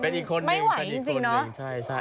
เป็นอีกคนนึงค่ะอีกคนนึงใช่